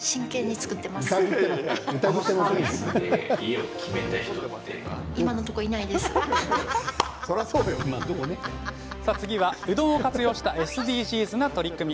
続いては、うどんを活用したＳＤＧｓな取り組み。